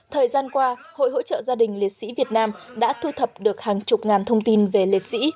thời gian qua hội hỗ trợ gia đình liệt sĩ việt nam đã thu thập được hàng chục ngàn thông tin về liệt sĩ